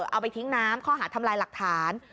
เอาไปทิ้งน้ำข้อหาทำลายหลักฐาน